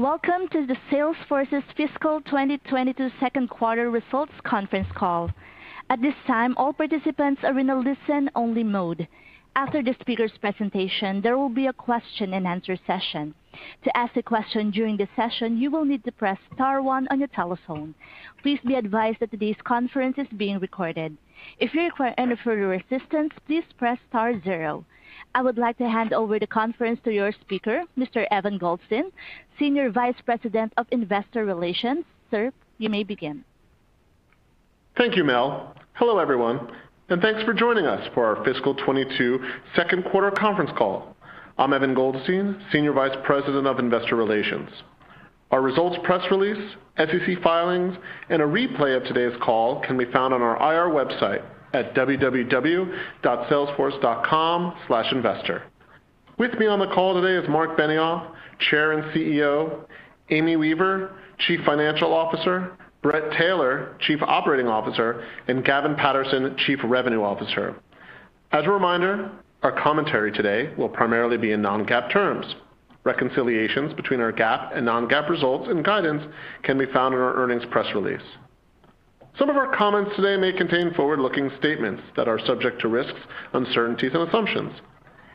Welcome to the Salesforce's fiscal 2022 second quarter results conference call. At this time, all participants are in a listen-only mode. After the speaker's presentation, there will be a question and answer session. To ask a question during the session, you will need to press star one on your telephone. Please be advised that today's conference is being recorded. If you need any assistance, please press star zero. I would like to hand over the conference to your speaker, Mr. Evan Goldstein, Senior Vice President of Investor Relations. Sir, you may begin. Thank you, Mel. Hello everyone, and thanks for joining us for our Fiscal 2022 second quarter conference call. I'm Evan Goldstein, Senior Vice President of Investor Relations. Our results press release, Securities and Exchange Commission filings, and a replay of today's call can be found on our IR website at www.salesforce.com/investor. With me on the call today is Marc Benioff, Chair and Chief Executive Officer, Amy Weaver, Chief Financial Officer, Bret Taylor, Chief Operating Officer, and Gavin Patterson, Chief Revenue Officer. As a reminder, our commentary today will primarily be in non-GAAP terms. Reconciliations between our GAAP and non-GAAP results and guidance can be found in our earnings press release. Some of our comments today may contain forward-looking statements that are subject to risks, uncertainties, and assumptions.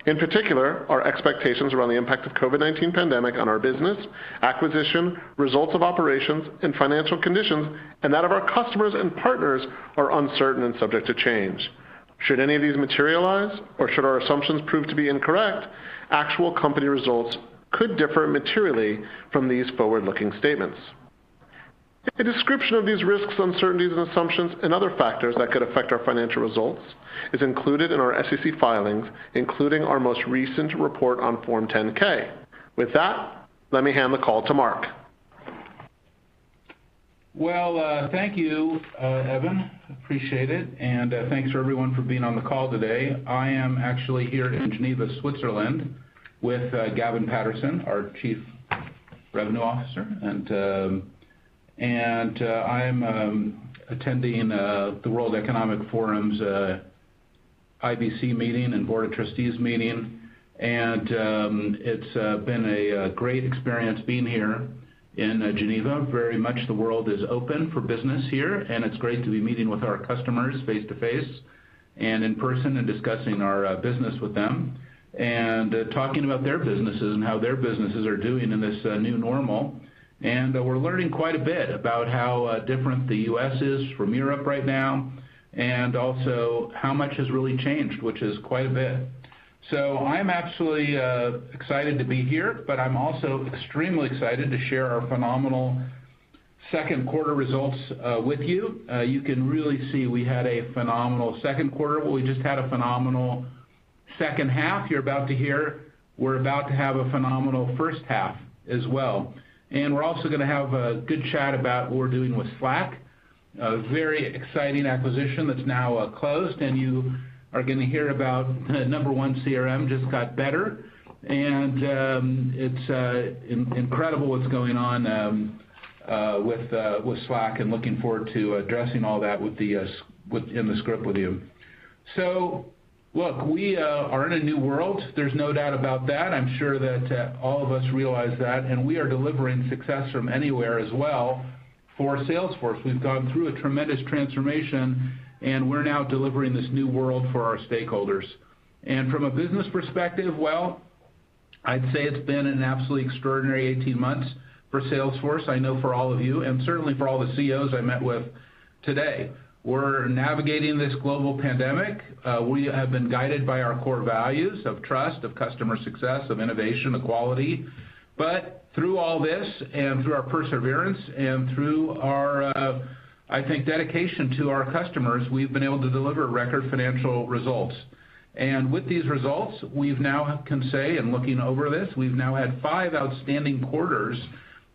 In particular, our expectations around the impact of COVID-19 pandemic on our business, acquisition, results of operations, and financial conditions, and that of our customers and partners are uncertain and subject to change. Should any of these materialize or should our assumptions prove to be incorrect, actual company results could differ materially from these forward-looking statements. A description of these risks, uncertainties and assumptions and other factors that could affect our financial results is included in our SEC filings, including our most recent report on Form 10-K. With that, let me hand the call to Marc Benioff. Well, thank you, Evan. Appreciate it, and thanks for everyone for being on the call today. I am actually here in Geneva, Switzerland, with Gavin Patterson, our Chief Revenue Officer. I am attending the World Economic Forum's International Business Council meeting and Board of Trustees meeting. It's been a great experience being here in Geneva. Very much the world is open for business here, and it's great to be meeting with our customers face-to-face and in person and discussing our business with them. Talking about their businesses and how their businesses are doing in this new normal. We're learning quite a bit about how different the U.S. is from Europe right now, and also how much has really changed, which is quite a bit. I'm absolutely excited to be here, but I'm also extremely excited to share our phenomenal 2nd quarter results with you. You can really see we had a phenomenal second quarter. We just had a phenomenal second half. You're about to hear we're about to have a phenomenal first half as well. We're also going to have a good chat about what we're doing with Slack, a very exciting acquisition that's now closed, and you are going to hear about number one Customer Relationship Management just got better. It's incredible what's going on with Slack and looking forward to addressing all that in the script with you. Look, we are in a new world. There's no doubt about that. I'm sure that all of us realize that, and we are delivering success from anywhere as well for Salesforce. We've gone through a tremendous transformation, and we're now delivering this new world for our stakeholders. From a business perspective, well, I'd say it's been an absolutely extraordinary 18 months for Salesforce. I know for all of you, and certainly for all the CEOs I met with today. We're navigating this global pandemic. We have been guided by our core values of trust, of customer success, of innovation, of quality. Through all this and through our perseverance and through our, I think, dedication to our customers, we've been able to deliver record financial results. With these results, we now can say, and looking over this, we've now had five outstanding quarters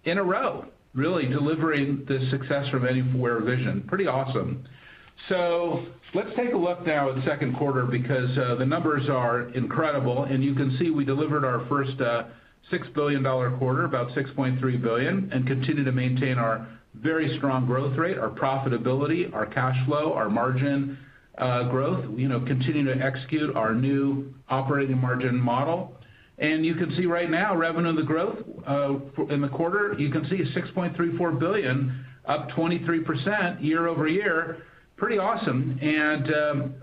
in a row, really delivering the success from anywhere vision. Pretty awesome. Let's take a look now at the second quarter because the numbers are incredible, you can see we delivered our first $6 billion quarter, about $6.3 billion, and continue to maintain our very strong growth rate, our profitability, our cash flow, our margin growth. Continuing to execute our new operating margin model. You can see right now, revenue and the growth in the quarter, you can see $6.34 billion, up 23% year-over-year. Pretty awesome.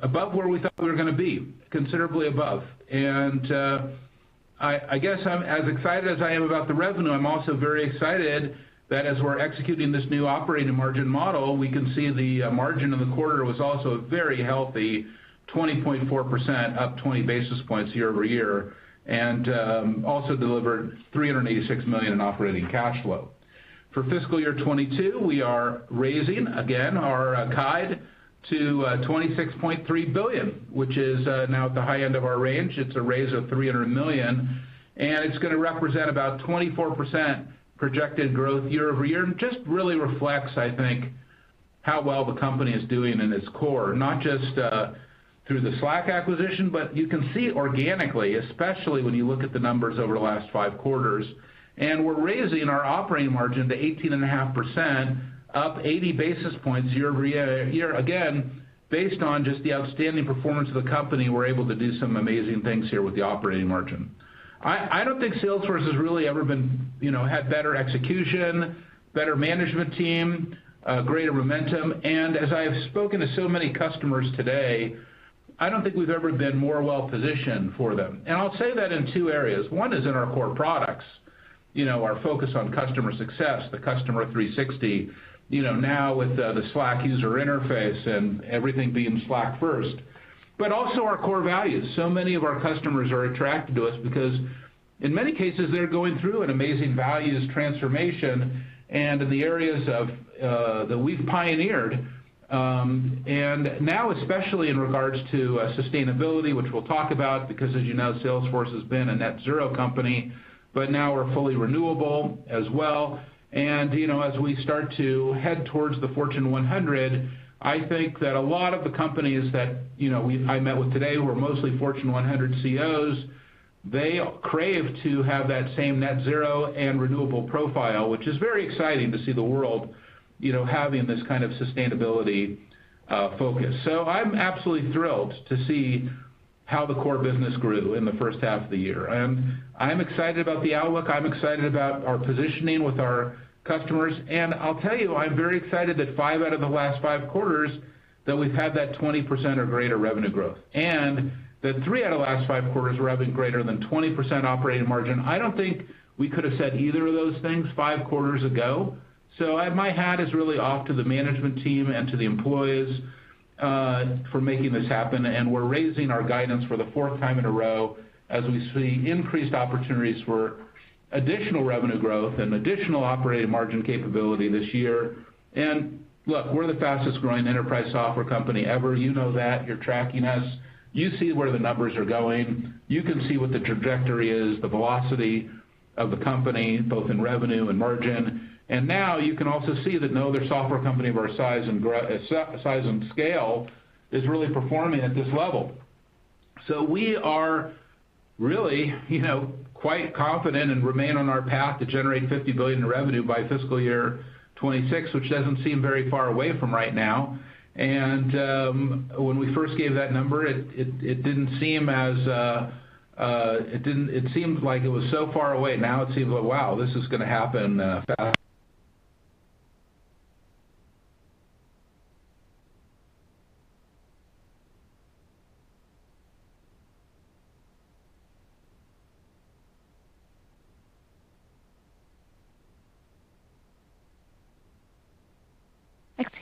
Above where we thought we were going to be, considerably above. I guess I'm as excited as I am about the revenue, I'm also very excited that as we're executing this new operating margin model, we can see the margin in the quarter was also very healthy, 20.4%, up 20 basis points year-over-year. Also delivered $386 million in operating cash flow. For fiscal year 2022, we are raising, again, our guide to $26.3 billion, which is now at the high end of our range. It's a raise of $300 million, and it's going to represent about 24% projected growth year-over-year. Just really reflects, I think, how well the company is doing in its core. Not just through the Slack acquisition, but you can see organically, especially when you look at the numbers over the last five quarters. We're raising our operating margin to 18.5%, up 80 basis points year-over-year. Again, based on just the outstanding performance of the company, we're able to do some amazing things here with the operating margin. I don't think Salesforce has really ever had better execution, better management team, greater momentum, and as I've spoken to so many customers today, I don't think we've ever been more well-positioned for them. I'll say that in two areas. One is in our core products. Our focus on customer success, the Customer 360, now with the Slack user interface and everything being Slack first, but also our core values. Many of our customers are attracted to us because in many cases, they're going through an amazing values transformation and in the areas that we've pioneered. Now, especially in regards to sustainability, which we'll talk about, because as you know, Salesforce has been a net zero company, but now we're fully renewable as well. As we start to head towards the Fortune 100, I think that a lot of the companies that I met with today, who were mostly Fortune 100 CEOs, they crave to have that same net zero and renewable profile, which is very exciting to see the world having this kind of sustainability focus. I'm absolutely thrilled to see how the core business grew in the first half of the year. I'm excited about the outlook. I'm excited about our positioning with our customers. I'll tell you, I'm very excited that five out of the last five quarters, that we've had that 20% or greater revenue growth, and that three out of the last five quarters were having greater than 20% operating margin. I don't think we could have said either of those things five quarters ago. My hat is really off to the management team and to the employees for making this happen. We're raising our guidance for the fourth time in a row as we see increased opportunities for additional revenue growth and additional operating margin capability this year. Look, we're the fastest growing enterprise software company ever. You know that. You're tracking us. You see where the numbers are going. You can see what the trajectory is, the velocity of the company, both in revenue and margin. Now you can also see that no other software company of our size and scale is really performing at this level. We are really quite confident and remain on our path to generate $50 billion in revenue by fiscal year 2026, which doesn't seem very far away from right now. When we first gave that number, it seemed like it was so far away. Now it seems like, wow, this is going to happen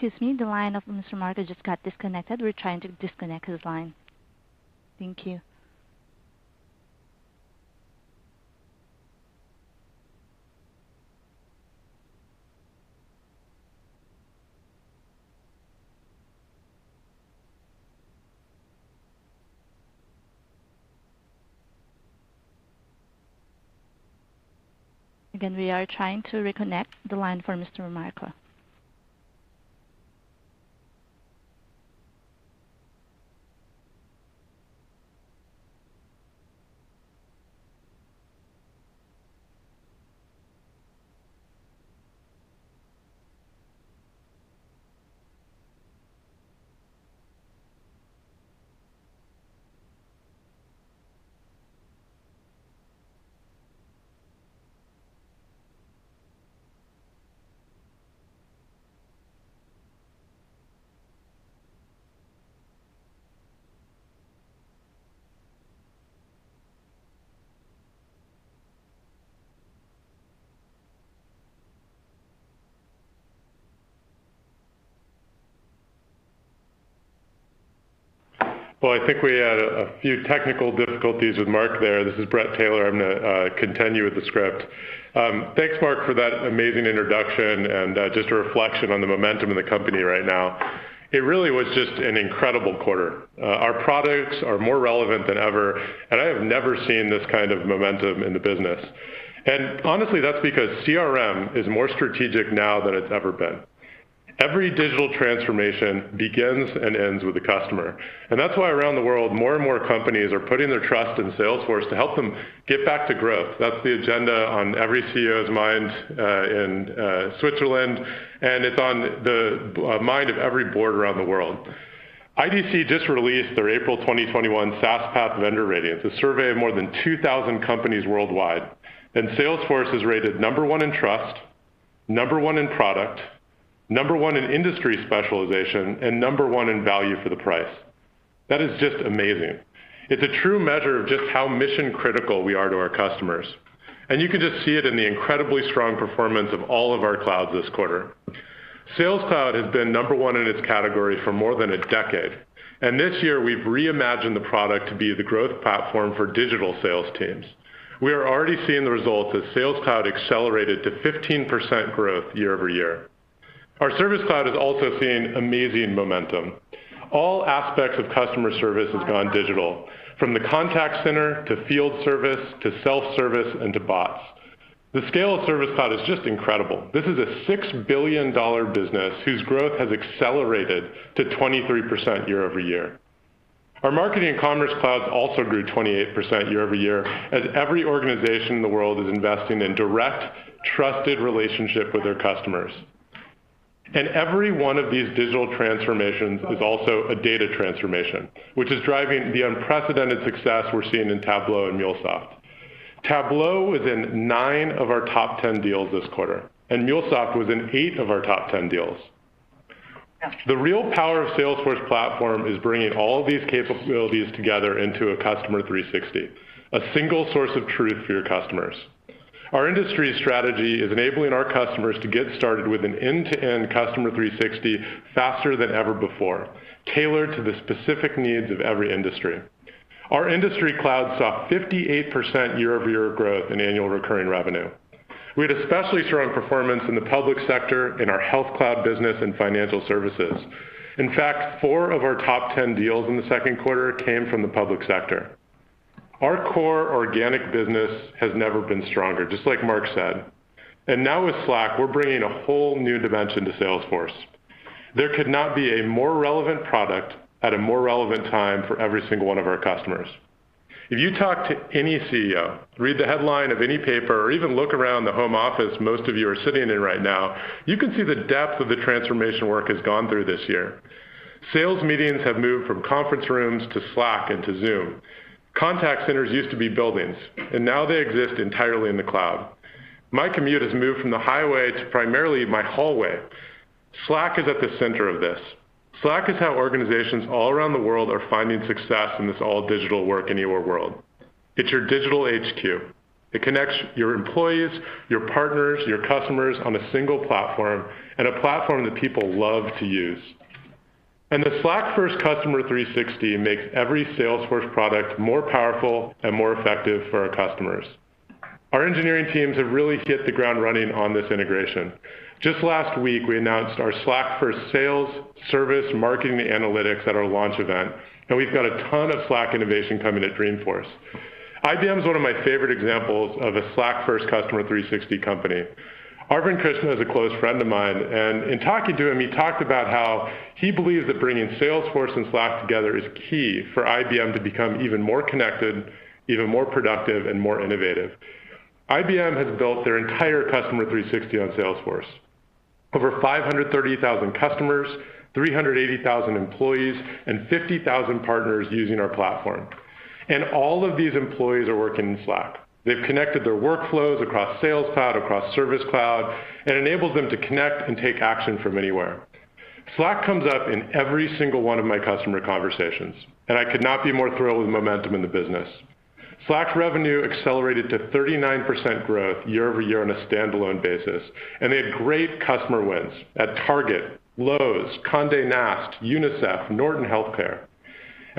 fast. Excuse me, the line of Mr. Benioff just got disconnected. We're trying to reconnect his line. Thank you. We are trying to reconnect the line for Mr. Benioff. Well, I think we had a few technical difficulties with Marc there. This is Bret Taylor. I'm going to continue with the script. Thanks, Marc, for that amazing introduction and just a reflection on the momentum of the company right now. It really was just an incredible quarter. Our products are more relevant than ever, and I have never seen this kind of momentum in the business. Honestly, that's because CRM is more strategic now than it's ever been. Every digital transformation begins and ends with the customer. That's why around the world, more and more companies are putting their trust in Salesforce to help them get back to growth. That's the agenda on every CEO's mind in Switzerland, and it's on the mind of every board around the world. International Data Corporation just released their April 2021 SaaSPath Vendor Radiance, a survey of more than 2,000 companies worldwide. Salesforce is rated number one in trust, number one in product, number one in industry specialization, and number one in value for the price. That is just amazing. It's a true measure of just how mission-critical we are to our customers. You can just see it in the incredibly strong performance of all of our clouds this quarter. Sales Cloud has been number one in its category for more than a decade, and this year we've reimagined the product to be the growth platform for digital sales teams. We are already seeing the results as Sales Cloud accelerated to 15% growth year-over-year. Our Service Cloud has also seen amazing momentum. All aspects of customer service have gone digital, from the contact center to Field Service, to self-service, and to bots. The scale of Service Cloud is just incredible. This is a $6 billion business whose growth has accelerated to 23% year-over-year. Our Marketing and Commerce Clouds also grew 28% year-over-year, as every organization in the world is investing in direct, trusted relationship with their customers. Every one of these digital transformations is also a data transformation, which is driving the unprecedented success we're seeing in Tableau and MuleSoft. Tableau was in nine of our top 10 deals this quarter, and MuleSoft was in eight of our top 10 deals. The real power of Salesforce platform is bringing all of these capabilities together into a Customer 360, a single source of truth for your customers. Our industry strategy is enabling our customers to get started with an end-to-end Customer 360 faster than ever before, tailored to the specific needs of every industry. Our Industry Cloud saw 58% year-over-year growth in annual recurring revenue. We had especially strong performance in the public sector, in our Health Cloud business, and financial services. In fact, four of our top 10 deals in the second quarter came from the public sector. Our core organic business has never been stronger, just like Marc said. Now with Slack, we're bringing a whole new dimension to Salesforce. There could not be a more relevant product at a more relevant time for every single one of our customers. If you talk to any CEO, read the headline of any paper, or even look around the home office most of you are sitting in right now, you can see the depth of the transformation work has gone through this year. Sales meetings have moved from conference rooms to Slack and to Zoom. Contact centers used to be buildings, now they exist entirely in the cloud. My commute has moved from the highway to primarily my hallway. Slack is at the center of this. Slack is how organizations all around the world are finding success in this all-digital work and anywhere world. It's your Digital Headquarters. It connects your employees, your partners, your customers on a single platform, and a platform that people love to use. The Slack-first Customer 360 makes every Salesforce product more powerful and more effective for our customers. Our engineering teams have really hit the ground running on this integration. Just last week, we announced our Slack-first sales, service, marketing, and analytics at our launch event, and we've got a ton of Slack innovation coming at Dreamforce. International Business Machines one of my favorite examples of a Slack-first Customer 360 company. Arvind Krishna is a close friend of mine, and in talking to him, he talked about how he believes that bringing Salesforce and Slack together is key for IBM to become even more connected, even more productive, and more innovative. IBM has built their entire Customer 360 on Salesforce. Over 530,000 customers, 380,000 employees, and 50,000 partners using our platform. All of these employees are working in Slack. They've connected their workflows across Sales Cloud, across Service Cloud, and enabled them to connect and take action from anywhere. Slack comes up in every single one of my customer conversations, and I could not be more thrilled with the momentum in the business. Slack revenue accelerated to 39% growth year-over-year on a standalone basis, and they had great customer wins at Target, Lowe's, Condé Nast, UNICEF, and Norton Healthcare.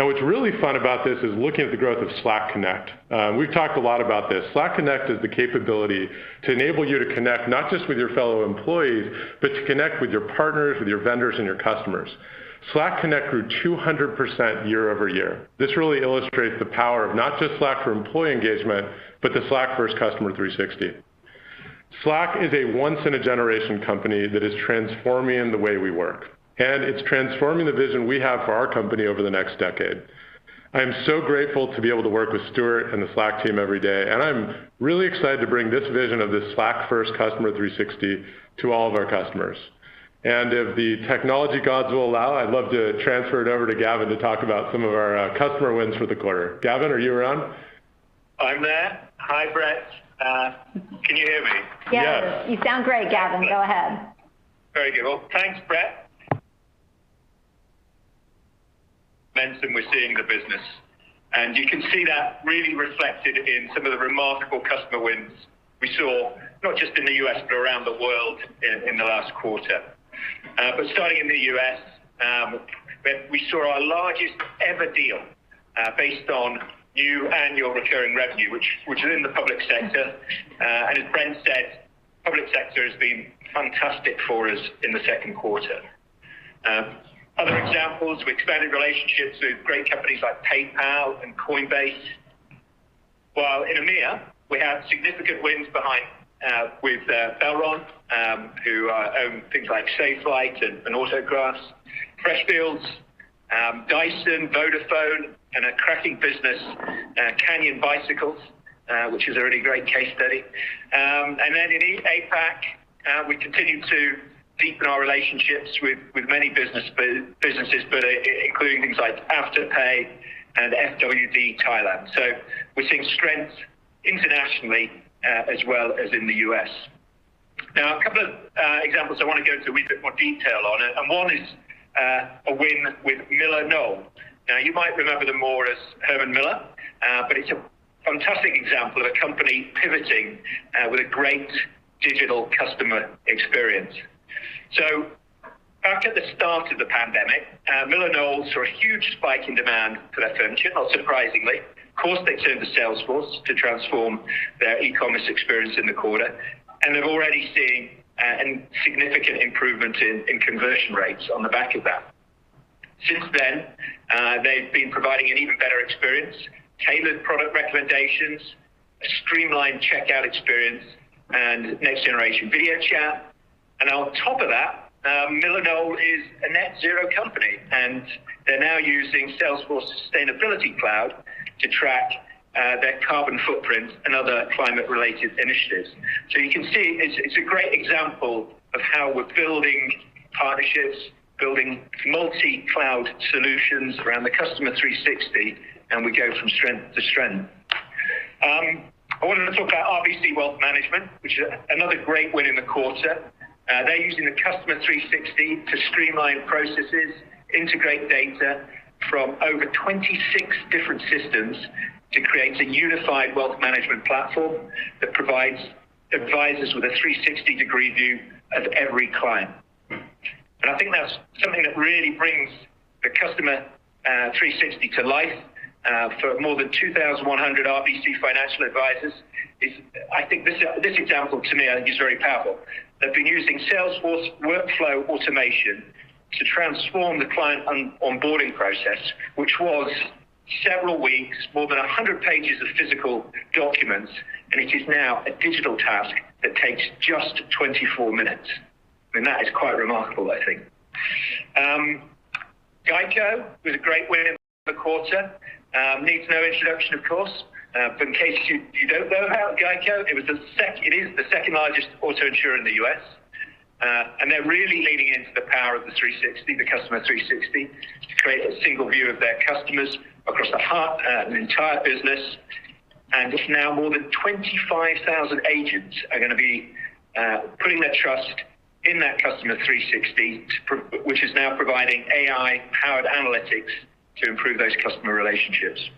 What's really fun about this is looking at the growth of Slack Connect. We've talked a lot about this. Slack Connect is the capability to enable you to connect not just with your fellow employees, but to connect with your partners, with your vendors, and your customers. Slack Connect grew 200% year-over-year. This really illustrates the power of not just Slack for employee engagement, but the Slack-first Customer 360. Slack is a once-in-a-generation company that is transforming the way we work, and it's transforming the vision we have for our company over the next decade. I am so grateful to be able to work with Stewart and the Slack team every day, and I'm really excited to bring this vision of this Slack-first Customer 360 to all of our customers. If the technology gods will allow, I'd love to transfer it over to Gavin to talk about some of our customer wins for the quarter. Gavin, are you around? I'm there. Hi, Bret. Can you hear me? Yes. Yes. You sound great, Gavin. Go ahead. Very good. Well, thanks, Bret. mentioned we're seeing the business. You can see that really reflected in some of the remarkable customer wins we saw, not just in the U.S. but around the world in the last quarter. Starting in the U.S., Bret, we saw our largest ever deal based on annual recurring revenue, which was in the public sector. As Bret said, public sector has been fantastic for us in the second quarter. Other examples, we expanded relationships with great companies like PayPal and Coinbase. While in Europe, Middle East, and Africa, we have significant wins with Belron, who own things like Safelite and Autoglass, Freshfields, Dyson, Vodafone, and a cracking business, Canyon Bicycles, which is a really great case study. In Asia-Pacific, we continued to deepen our relationships with many businesses including things like Afterpay and FWD Thailand. We're seeing strength internationally as well as in the U.S. A couple of examples I want to go into a wee bit more detail on, and one is a win with MillerKnoll. You might remember them more as Herman Miller, but it's a fantastic example of a company pivoting with a great digital customer experience. Back at the start of the pandemic, MillerKnoll saw a huge spike in demand for their furniture, not surprisingly. Of course, they turned to Salesforce to transform their e-commerce experience in the quarter, and they're already seeing a significant improvement in conversion rates on the back of that. Since then, they've been providing an even better experience, tailored product recommendations, a streamlined checkout experience, and next-generation video chat. On top of that, MillerKnoll is a net zero company, and they're now using Salesforce Sustainability Cloud to track their carbon footprint and other climate-related initiatives. You can see, it's a great example of how we're building partnerships, building multi-cloud solutions around the Customer 360, and we go from strength to strength. I wanted to talk about Royal Bank of Canada Wealth Management, which is another great win in the quarter. They're using the Customer 360 to streamline processes, integrate data from over 26 different systems to create a unified wealth management platform that provides advisors with a 360-degree view of every client. I think that's something that really brings the Customer 360 to life for more than 2,100 RBC financial advisors, I think this example to me, I think, is very powerful. They've been using Salesforce workflow automation to transform the client onboarding process, which was several weeks, more than 100 pages of physical documents, and it is now a digital task that takes just 24 minutes. That is quite remarkable, I think. GEICO was a great win in the quarter. Needs no introduction, of course. In case you don't know about GEICO, it is the second largest auto insurer in the U.S., and they're really leaning into the power of the 360, the Customer 360, to create a single view of their customers across the entire business. It's now more than 25,000 agents are going to be putting their trust in that Customer 360, which is now providing AI-powered analytics to improve those customer relationships.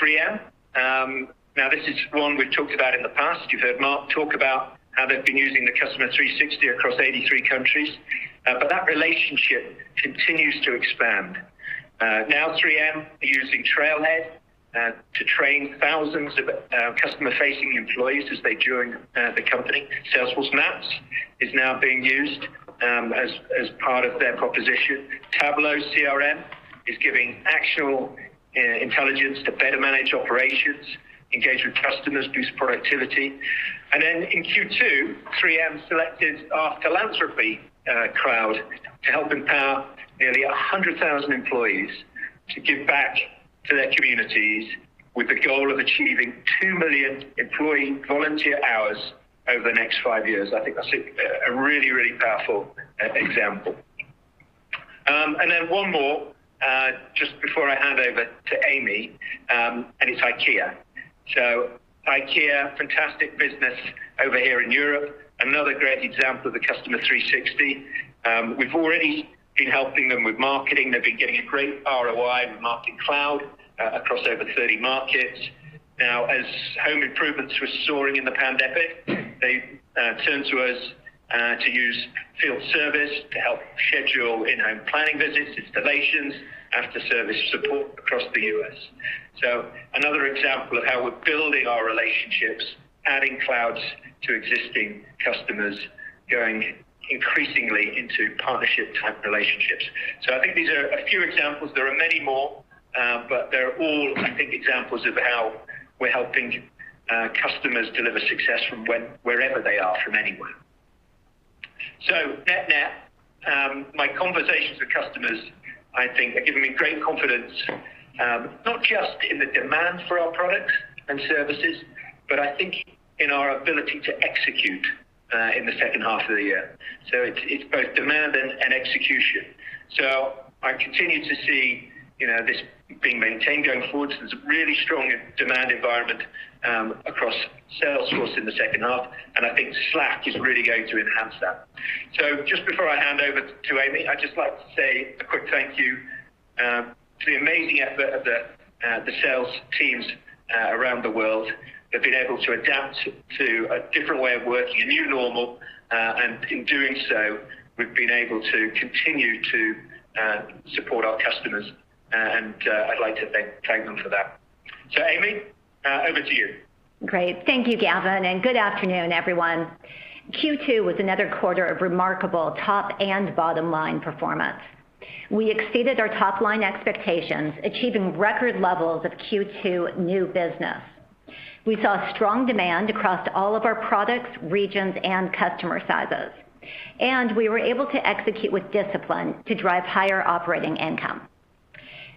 3M. Now, this is one we've talked about in the past. You've heard Marc Benioff talk about how they've been using the Customer 360 across 83 countries. That relationship continues to expand. Now 3M are using Trailhead to train thousands of customer-facing employees as they join the company. Salesforce Maps is now being used as part of their proposition. Tableau CRM is giving actual intelligence to better manage operations, engage with customers, boost productivity. In Q2, 3M selected our Philanthropy Cloud to help empower nearly 100,000 employees to give back to their communities with the goal of achieving 2 million employee volunteer hours over the next five years. I think that's a really powerful example. One more, just before I hand over to Amy Weaver, and it's IKEA. IKEA, fantastic business over here in Europe. Another great example of the Customer 360. We've already been helping them with Marketing Cloud. They've been getting a great Return on Investment with Marketing Cloud across over 30 markets. As home improvements were soaring in the pandemic, they turned to us to use Field Service to help schedule in-home planning visits, installations, after-service support across the U.S. Another example of how we're building our relationships, adding clouds to existing customers, going increasingly into partnership-type relationships. I think these are a few examples. There are many more, they're all, I think, examples of how we're helping customers deliver success from wherever they are, from anywhere. Net net, my conversations with customers, I think, have given me great confidence, not just in the demand for our products and services, but I think in our ability to execute in the second half of the year. It's both demand and execution. I continue to see this being maintained going forwards. There's a really strong demand environment across Salesforce in the second half, and I think Slack is really going to enhance that. Just before I hand over to Amy, I'd just like to say a quick thank you to the amazing effort of the sales teams around the world. They've been able to adapt to a different way of working, a new normal, and in doing so, we've been able to continue to support our customers, and I'd like to thank them for that. Amy, over to you. Great. Thank you, Gavin, and good afternoon, everyone. Q2 was another quarter of remarkable top and bottom-line performance. We exceeded our top-line expectations, achieving record levels of Q2 new business. We saw strong demand across all of our products, regions, and customer sizes. We were able to execute with discipline to drive higher operating income.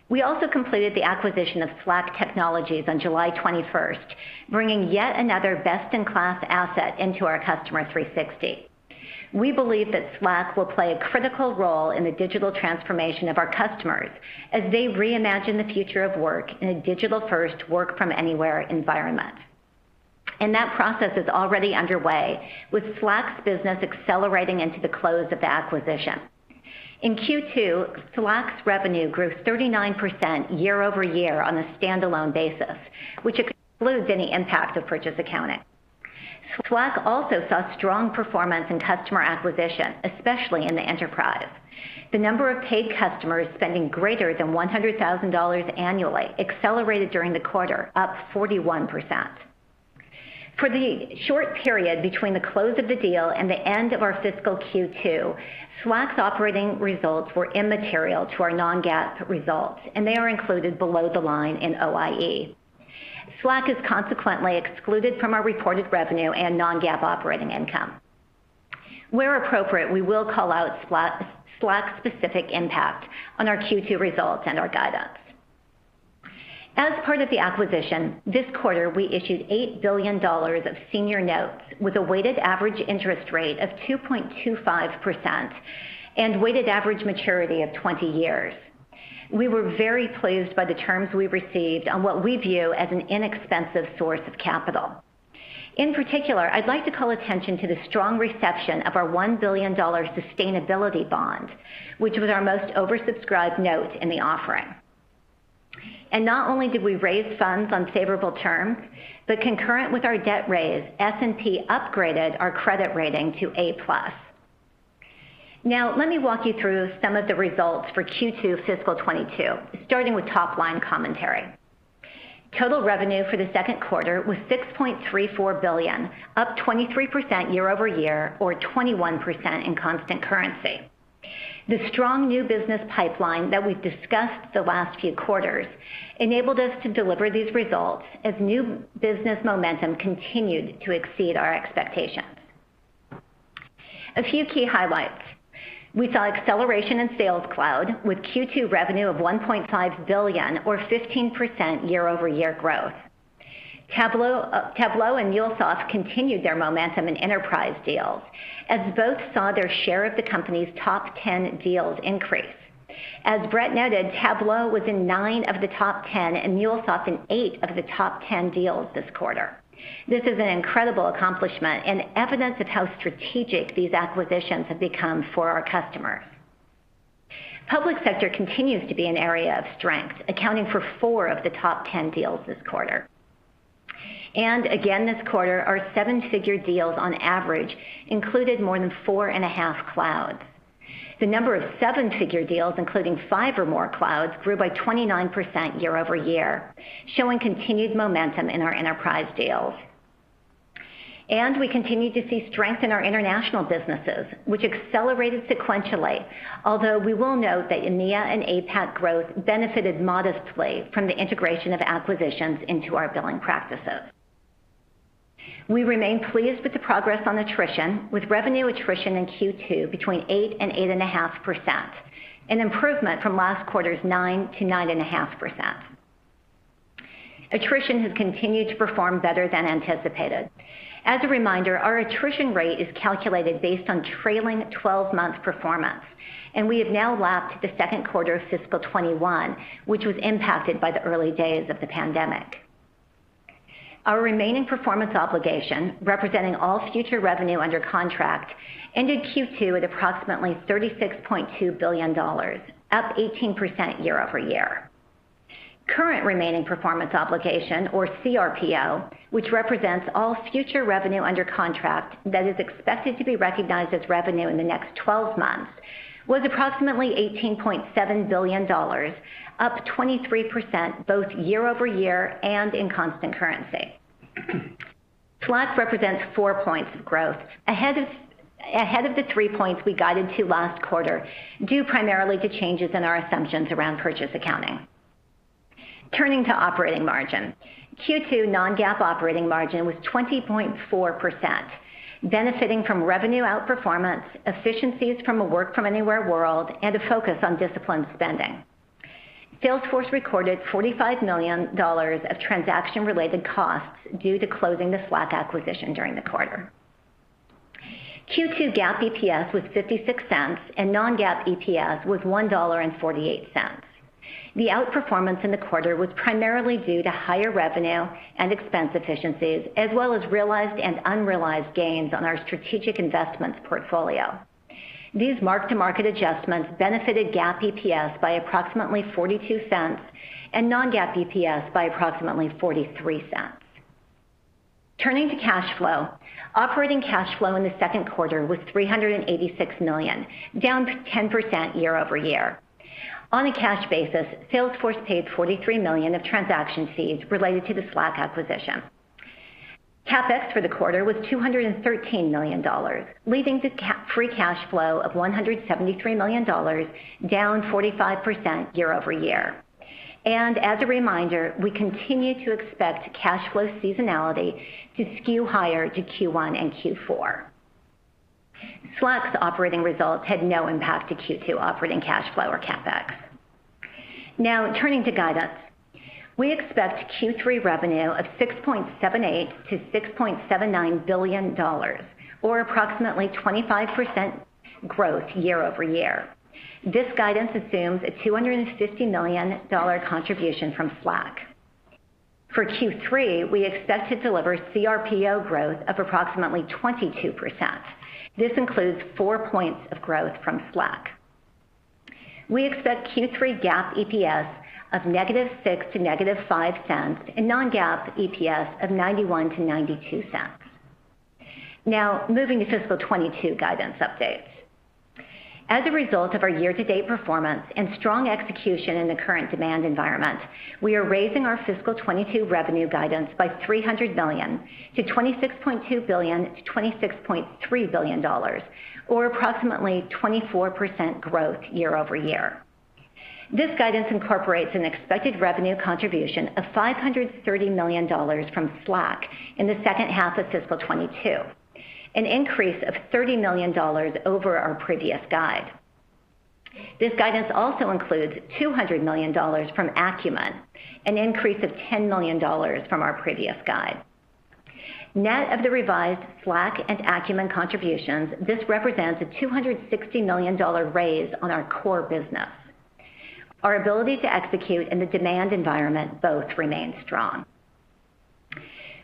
We also completed the acquisition of Slack Technologies on July 21st, bringing yet another best-in-class asset into our Customer 360. We believe that Slack will play a critical role in the digital transformation of our customers as they reimagine the future of work in a digital-first, work-from-anywhere environment. That process is already underway, with Slack's business accelerating into the close of the acquisition. In Q2, Slack's revenue grew 39% year-over-year on a standalone basis, which excludes any impact of purchase accounting. Slack also saw strong performance in customer acquisition, especially in the enterprise. The number of paid customers spending greater than $100,000 annually accelerated during the quarter, up 41%. For the short period between the close of the deal and the end of our fiscal Q2, Slack's operating results were immaterial to our non-GAAP results, and they are included below the line in Other Income and Expense. Slack is consequently excluded from our reported revenue and non-GAAP operating income. Where appropriate, we will call out Slack-specific impact on our Q2 results and our guidance. As part of the acquisition, this quarter, we issued $8 billion of senior notes with a weighted average interest rate of 2.25% and weighted average maturity of 20 years. We were very pleased by the terms we received on what we view as an inexpensive source of capital. In particular, I'd like to call attention to the strong reception of our $1 billion sustainability bond, which was our most oversubscribed note in the offering. Not only did we raise funds on favorable terms, but concurrent with our debt raise, S&P upgraded our credit rating to A-plus. Let me walk you through some of the results for Q2 fiscal 2022, starting with top-line commentary. Total revenue for the second quarter was $6.34 billion, up 23% year-over-year, or 21% in constant currency. The strong new business pipeline that we've discussed the last few quarters enabled us to deliver these results as new business momentum continued to exceed our expectations. A few key highlights. We saw acceleration in Sales Cloud with Q2 revenue of $1.5 billion or 15% year-over-year growth. Tableau and MuleSoft continued their momentum in enterprise deals as both saw their share of the company's top 10 deals increase. As Bret noted, Tableau was in nine of the top 10, and MuleSoft in eight of the top 10 deals this quarter. This is an incredible accomplishment and evidence of how strategic these acquisitions have become for our customers. Public sector continues to be an area of strength, accounting for four of the top 10 deals this quarter. Again, this quarter, our seven-figure deals on average included more than 4.5 clouds. The number of seven-figure deals, including five or more clouds, grew by 29% year-over-year, showing continued momentum in our enterprise deals. We continued to see strength in our international businesses, which accelerated sequentially, although we will note that EMEA and APAC growth benefited modestly from the integration of acquisitions into our billing practices. We remain pleased with the progress on attrition, with revenue attrition in Q2 between 8% and 8.5%, an improvement from last quarter's 9%-9.5%. Attrition has continued to perform better than anticipated. As a reminder, our attrition rate is calculated based on trailing 12-month performance, and we have now lapped the second quarter of fiscal 2021, which was impacted by the early days of the pandemic. Our remaining performance obligation, representing all future revenue under contract, ended Q2 at approximately $36.2 billion, up 18% year-over-year. Current Remaining Performance Obligation, or CRPO, which represents all future revenue under contract that is expected to be recognized as revenue in the next 12 months, was approximately $18.7 billion, up 23% both year-over-year and in constant currency. Slack represents 4 points of growth, ahead of the 3 points we guided to last quarter, due primarily to changes in our assumptions around purchase accounting. Turning to operating margin. Q2 non-GAAP operating margin was 20.4%, benefiting from revenue outperformance, efficiencies from a work-from-anywhere world, and a focus on disciplined spending. Salesforce recorded $45 million of transaction-related costs due to closing the Slack acquisition during the quarter. Q2 GAAP EPS was $0.56, and non-GAAP EPS was $1.48. The outperformance in the quarter was primarily due to higher revenue and expense efficiencies, as well as realized and unrealized gains on our strategic investments portfolio. These mark-to-market adjustments benefited GAAP EPS by approximately $0.42 and non-GAAP EPS by approximately $0.43. Turning to cash flow. Operating cash flow in the second quarter was $386 million, down 10% year-over-year. On a cash basis, Salesforce paid $43 million of transaction fees related to the Slack acquisition. CapEx for the quarter was $213 million, leaving the free cash flow of $173 million, down 45% year-over-year. As a reminder, we continue to expect cash flow seasonality to skew higher to Q1 and Q4. Slack's operating results had no impact to Q2 operating cash flow or CapEx. Turning to guidance. We expect Q3 revenue of $6.78 billion-$6.79 billion, or approximately 25% growth year-over-year. This guidance assumes a $250 million contribution from Slack. For Q3, we expect to deliver CRPO growth of approximately 22%. This includes 4 points of growth from Slack. We expect Q3 GAAP EPS of -$0.06 to -$0.05 and non-GAAP EPS of $0.91-$0.92. Now moving to fiscal 2022 guidance updates. As a result of our year-to-date performance and strong execution in the current demand environment, we are raising our fiscal 2022 revenue guidance by $300 million to $26.2 billion-$26.3 billion, or approximately 24% growth year-over-year. This guidance incorporates an expected revenue contribution of $530 million from Slack in the second half of fiscal 2022, an increase of $30 million over our previous guide. This guidance also includes $200 million from Acumen, an increase of $10 million from our previous guide. Net of the revised Slack and Acumen contributions, this represents a $260 million raise on our core business. Our ability to execute in the demand environment both remains strong.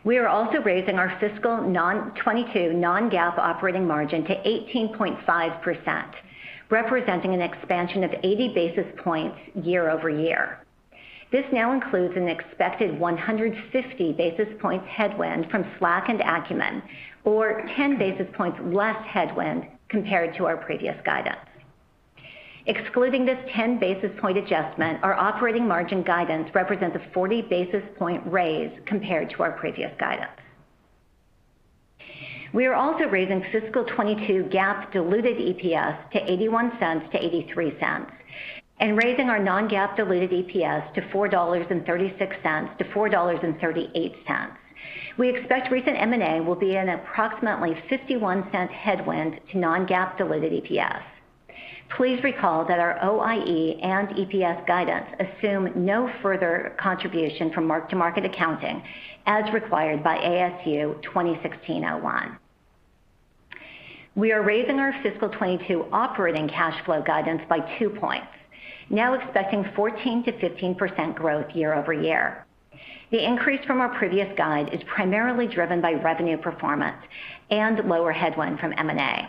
We are also raising our fiscal 2022 non-GAAP operating margin to 18.5%, representing an expansion of 80 basis points year-over-year. This now includes an expected 150 basis points headwind from Slack and Acumen, or 10 basis points less headwind compared to our previous guidance. Excluding this 10 basis point adjustment, our operating margin guidance represents a 40 basis point raise compared to our previous guidance. We are also raising fiscal 2022 GAAP Diluted EPS to $0.81-$0.83, and raising our non-GAAP Diluted EPS to $4.36-$4.38. We expect recent M&A will be an approximately $0.51 headwind to non-GAAP Diluted EPS. Please recall that our OIE and EPS guidance assume no further contribution from mark-to-market accounting as required by ASU 2016-01. We are raising our fiscal 2022 operating cash flow guidance by 2 points, now expecting 14%-15% growth year-over-year. The increase from our previous guide is primarily driven by revenue performance and lower headwind from M&A.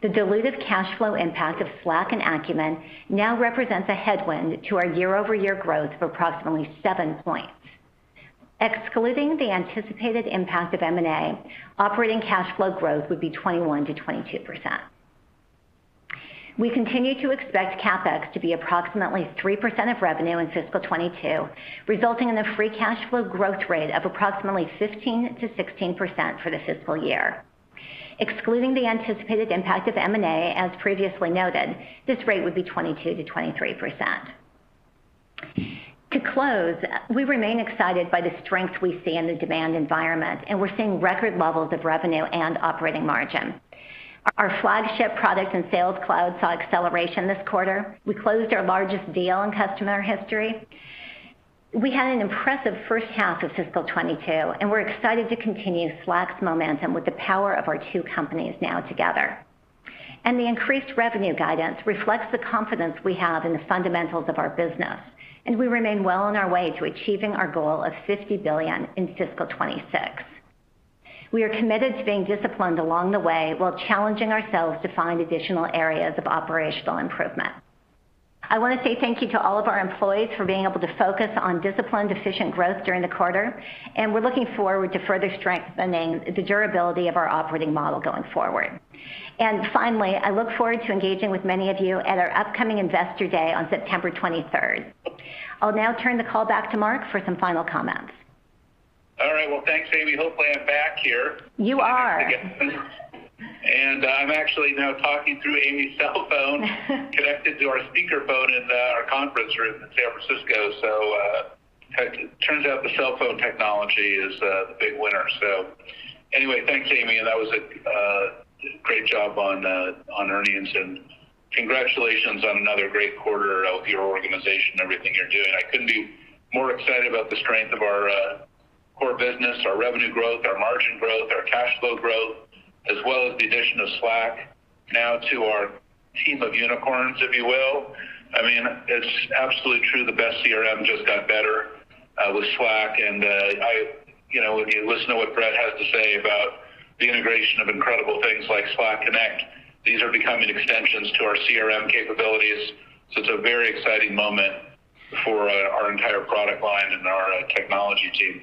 The diluted cash flow impact of Slack and Acumen now represents a headwind to our year-over-year growth of approximately 7 points. Excluding the anticipated impact of M&A, operating cash flow growth would be 21%-22%. We continue to expect CapEx to be approximately 3% of revenue in fiscal 2022, resulting in a free cash flow growth rate of approximately 15%-16% for the fiscal year. Excluding the anticipated impact of M&A, as previously noted, this rate would be 22%-23%. To close, we remain excited by the strength we see in the demand environment, and we're seeing record levels of revenue and operating margin. Our flagship product and Sales Cloud saw acceleration this quarter. We closed our largest deal in customer history. We had an impressive first half of fiscal 2022, we're excited to continue Slack's momentum with the power of our two companies now together. The increased revenue guidance reflects the confidence we have in the fundamentals of our business. We remain well on our way to achieving our goal of $50 billion in fiscal 2026. We are committed to being disciplined along the way while challenging ourselves to find additional areas of operational improvement. I want to say thank you to all of our employees for being able to focus on disciplined, efficient growth during the quarter. We're looking forward to further strengthening the durability of our operating model going forward. Finally, I look forward to engaging with many of you at our upcoming Investor Day on September 23rd. I'll now turn the call back to Marc for some final comments. All right. Well, thanks, Amy. Hopefully, I'm back here. You are. I'm actually now talking through Amy's cell phone connected to our speakerphone in our conference room in San Francisco. It turns out the cell phone technology is the big winner. Thanks, Amy, that was a great job on earnings, and congratulations on another great quarter of your organization and everything you're doing. I couldn't be more excited about the strength of our core business, our revenue growth, our margin growth, our cash flow growth, as well as the addition of Slack now to our team of unicorns, if you will. It's absolutely true, the best CRM just got better with Slack. If you listen to what Bret has to say about the integration of incredible things like Slack Connect, these are becoming extensions to our CRM capabilities. It's a very exciting moment for our entire product line and our technology team.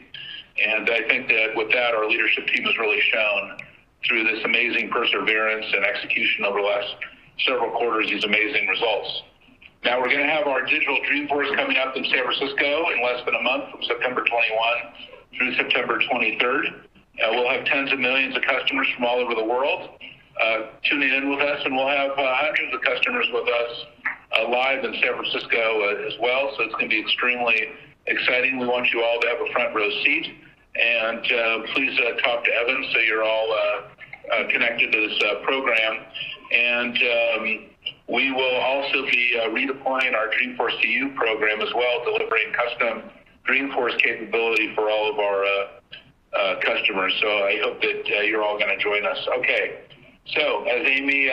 I think that with that, our leadership team has really shown through this amazing perseverance and execution over the last several quarters, these amazing results. We're going to have our digital Dreamforce coming up in San Francisco in less than a month, from September 21 through September 23rd. We'll have tens of millions of customers from all over the world tuning in with us, and we'll have hundreds of customers with us live in San Francisco as well. It's going to be extremely exciting. We want you all to have a front-row seat. Please talk to Evan so you're all connected to this program. We will also be redeploying our Dreamforce to You Program as well, delivering custom Dreamforce capability for all of our customers. I hope that you're all going to join us. Okay. As Amy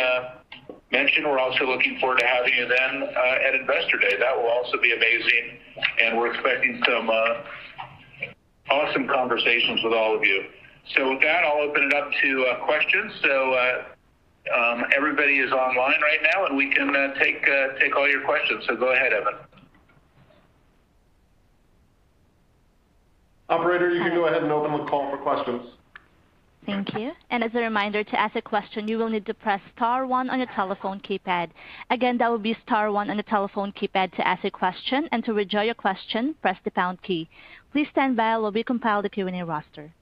mentioned, we're also looking forward to having you then at Investor Day. That will also be amazing, and we're expecting some awesome conversations with all of you. With that, I'll open it up to a questions. Everybody is on line right now. We can take all your question. Go ahead over. Operator, you can go ahead and open the call for questions. Thank you. As a reminder, to ask a question, you will need to press star one on your telephone keypad. Again, that will be star one on the telephone keypad to ask a question. To withdraw your question, press the pound key. Please stand by while we compile the Q&A roster.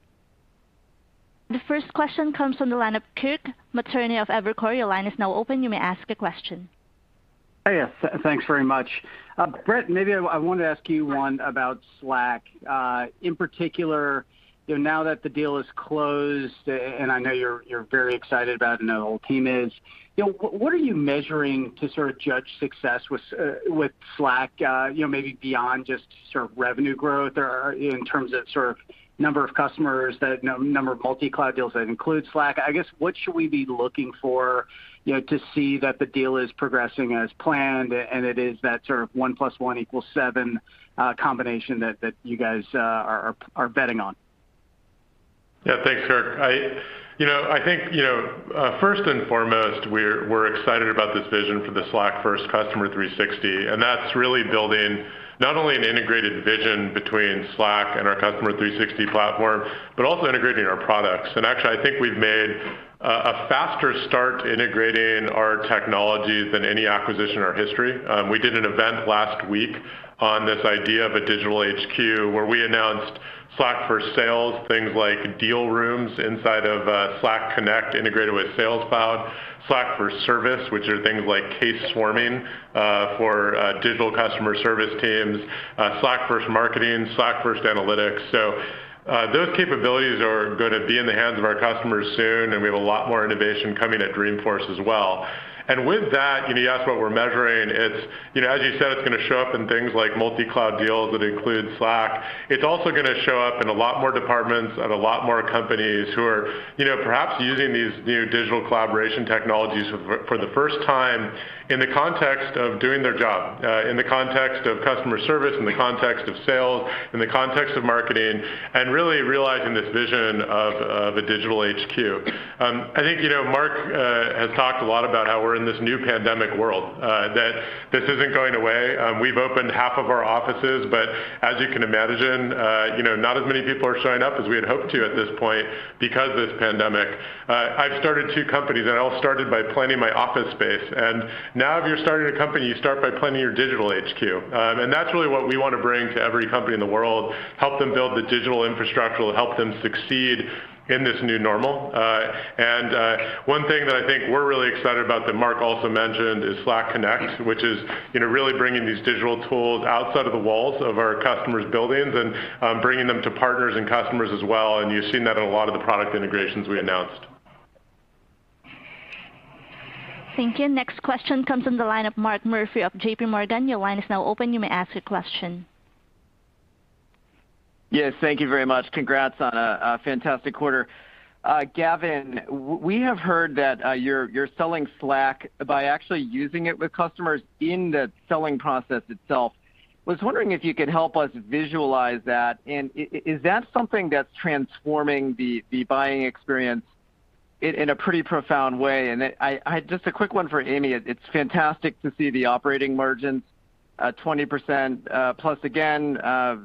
The first question comes from the line of Kirk Materne of Evercore. Your line is now open. You may ask a question. Yes. Thanks very much. Bret, maybe I wanted to ask you one about Slack. In particular, now that the deal is closed, and I know you're very excited about it and the whole team is, what are you measuring to judge success with Slack maybe beyond just revenue growth or in terms of number of customers, number of multi-cloud deals that include Slack? I guess, what should we be looking for to see that the deal is progressing as planned, and it is that one plus one equals seven combination that you guys are betting on? Yeah. Thanks, Kirk. I think first and foremost, we're excited about this vision for the Slack-first Customer 360. That's really building not only an integrated vision between Slack and our Customer 360 platform, but also integrating our products. Actually, I think we've made a faster start integrating our technologies than any acquisition in our history. We did an event last week on this idea of a digital HQ, where we announced Slack for Sales, things like deal rooms inside of Slack Connect integrated with Sales Cloud, Slack for Service, which are things like case swarming, for digital customer service teams, Slack for Marketing, Slack for Analytics. Those capabilities are going to be in the hands of our customers soon. We have a lot more innovation coming at Dreamforce as well. With that, you asked what we're measuring. As you said, it's going to show up in things like multi-cloud deals that include Slack. It's also going to show up in a lot more departments at a lot more companies who are perhaps using these new digital collaboration technologies for the first time in the context of doing their job, in the context of customer service, in the context of sales, in the context of marketing, and really realizing this vision of a digital HQ. I think Marc has talked a lot about how we're in this new pandemic world, that this isn't going away. We've opened half of our offices, but as you can imagine, not as many people are showing up as we had hoped to at this point because of this pandemic. I've started two companies, and it all started by planning my office space. Now if you're starting a company, you start by planning your digital HQ. That's really what we want to bring to every company in the world, help them build the digital infrastructure that will help them succeed in this new normal. One thing that I think we're really excited about that Marc also mentioned is Slack Connect, which is really bringing these digital tools outside of the walls of our customers' buildings and bringing them to partners and customers as well, and you've seen that in a lot of the product integrations we announced. Thank you. Next question comes from the line of Mark Murphy of JPMorgan. Yes, thank you very much. Congrats on a fantastic quarter. Gavin, we have heard that you're selling Slack by actually using it with customers in the selling process itself. I was wondering if you could help us visualize that. Is that something that's transforming the buying experience in a pretty profound way? Just a quick one for Amy. It's fantastic to see the operating margins, 20% plus again,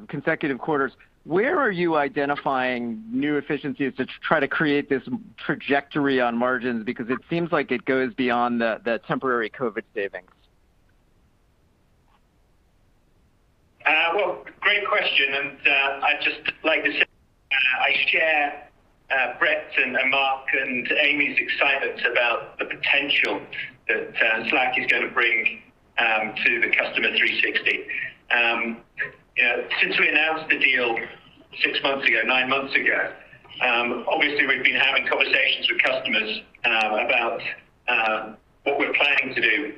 consecutive quarters. Where are you identifying new efficiencies to try to create this trajectory on margins? Because it seems like it goes beyond the temporary COVID savings. Well, great question, and I'd just like to say, I share Bret's and Marc and Amy's excitement about the potential that Slack is going to bring to the Customer 360. Since we announced the deal six months ago, nine months ago, obviously we've been having conversations with customers about what we're planning to do,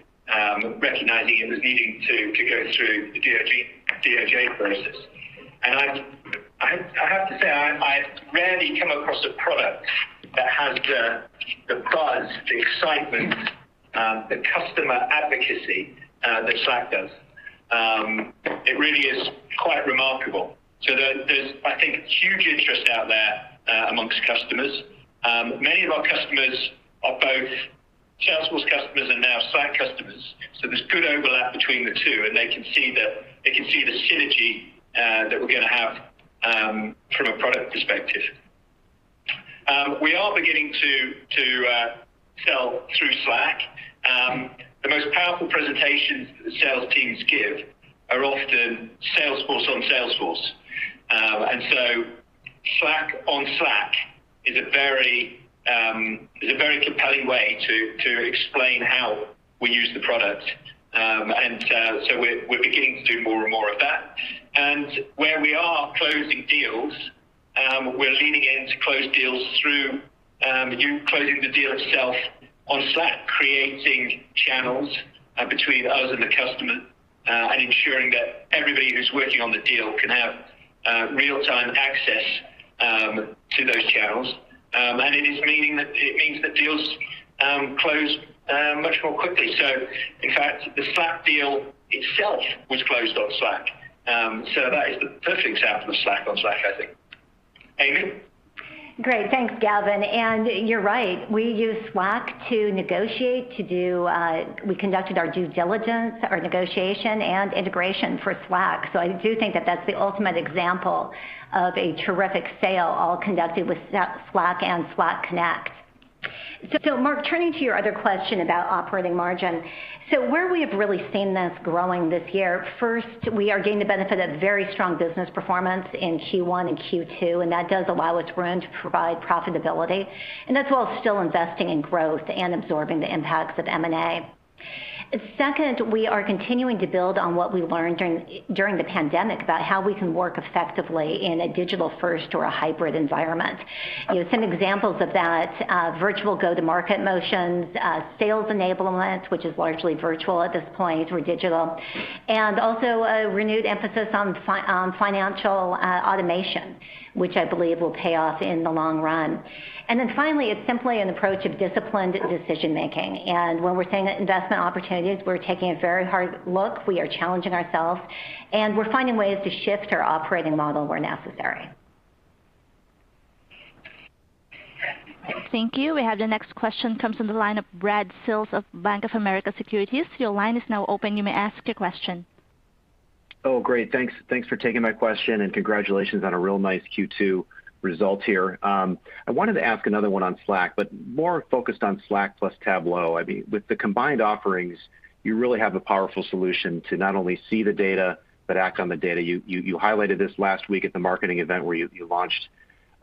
recognizing it was needing to go through the Department of Justice process. I have to say, I've rarely come across a product that has the buzz, the excitement, the customer advocacy that Slack does. It really is quite remarkable. There's, I think, huge interest out there amongst customers. Many of our customers are both Salesforce customers and now Slack customers, so there's good overlap between the two, and they can see the synergy that we're going to have from a product perspective. We are beginning to sell through Slack. The most powerful presentations that the sales teams give are often Salesforce on Salesforce. Slack on Slack is a very compelling way to explain how we use the product. We're beginning to do more and more of that. Where we are closing deals, we're leaning in to close deals through you closing the deal itself on Slack, creating channels between us and the customer, and ensuring that everybody who's working on the deal can have real-time access to those channels. It means that deals close much more quickly. In fact, the Slack deal itself was closed on Slack. That is the perfect example of Slack on Slack, I think. Amy? Great. Thanks, Gavin. You're right, we use Slack to negotiate, we conducted our due diligence, our negotiation, and integration for Slack. I do think that that's the ultimate example of a terrific sale, all conducted with Slack and Slack Connect. Mark, turning to your other question about operating margin. Where we have really seen this growing this year, first, we are gaining the benefit of very strong business performance in Q1 and Q2, and that does allow us room to provide profitability, and that's while still investing in growth and absorbing the impacts of M&A. Second, we are continuing to build on what we learned during the pandemic about how we can work effectively in a digital first or a hybrid environment. Some examples of that, virtual go-to-market motions, sales enablement, which is largely virtual at this point or digital, and also a renewed emphasis on financial automation, which I believe will pay off in the long run. Finally, it's simply an approach of disciplined decision-making. When we're saying investment opportunities, we're taking a very hard look, we are challenging ourselves, and we're finding ways to shift our operating model where necessary. Thank you. The next question comes from the line of Brad Sills of Bank of America. Your line is now open. You may ask your question. Oh, great. Thanks for taking my question, and congratulations on a real nice Q2 result here. I wanted to ask another one on Slack, but more focused on Slack plus Tableau. With the combined offerings, you really have a powerful solution to not only see the data, but act on the data. You highlighted this last week at the marketing event where you launched